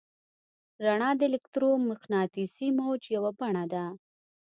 رڼا د الکترومقناطیسي موج یوه بڼه ده.